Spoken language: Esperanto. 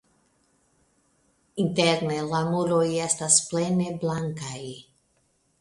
Interne la muroj estas plene blankaj.